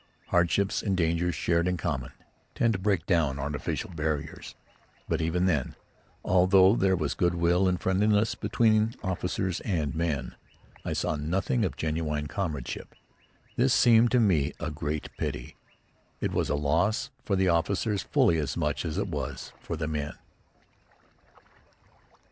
Hardships and dangers, shared in common, tend to break down artificial barriers. But even then, although there was good will and friendliness between officers and men, I saw nothing of genuine comradeship. This seemed to me a great pity. It was a loss for the officers fully as much as it was for the men.